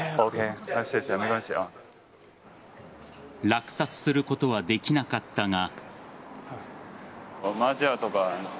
落札することはできなかったが。